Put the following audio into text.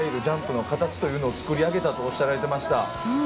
ジャンプの形を作り上げたとおっしゃられていました。